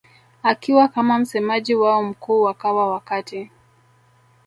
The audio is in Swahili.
akiwa kama msemaji wao mkuu wakawa wakati